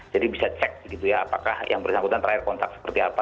jadi bisa cek gitu ya apakah yang bersangkutan terakhir kontak seperti apa